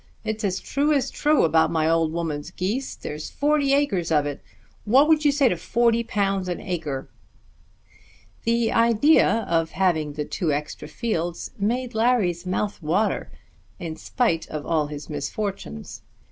It's as true as true about my old woman's geese. There's forty acres of it. What would you say to £40 an acre?" The idea of having the two extra fields made Larry's mouth water, in spite of all his misfortunes.